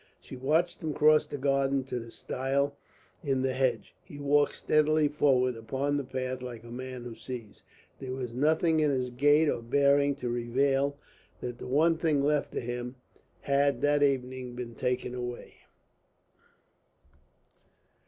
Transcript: She watched him cross the garden to the stile in the hedge. He walked steadily forward upon the path like a man who sees. There was nothing in his gait or bearing to reveal that the one thing left to him had that evening been taken away.